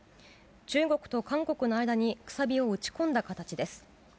中国と韓国の間に、くさびを打ち込んだ形です。